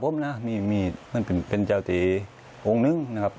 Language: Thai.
มันเป็นเจ้าตีองค์นึงนะครับ